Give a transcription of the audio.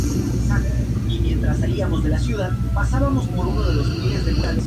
Luce desempeñó como gerente de negocios, mientras que Hadden fue editor en jefe.